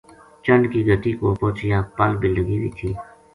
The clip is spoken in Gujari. چنڈ کی گٹی کول پوہچیا پل بے لگی وی تھی